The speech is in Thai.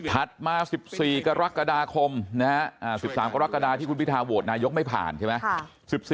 มา๑๔กรกฎาคม๑๓กรกฎาที่คุณพิทาโหวตนายกไม่ผ่านใช่ไหม